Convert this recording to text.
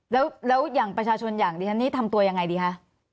แล้วอย่างประชาชนอย่างดิฉันนี่ทำตัวยังไงดีคะ